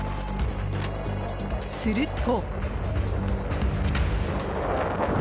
すると。